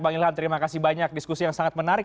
bang ilham terima kasih banyak diskusi yang sangat menarik